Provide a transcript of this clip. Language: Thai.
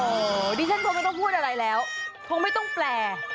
ดิฉันคงไม่ต้องพูดอะไรแล้วคงไม่ต้องแปล